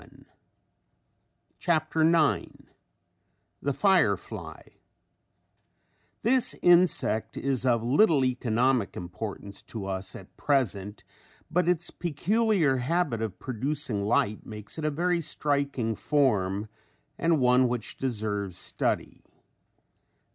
] CHAPTER IX THE FIREFLY This insect is of little economic importance to us at present but its peculiar habit of producing light makes it a very striking form and one which deserves study.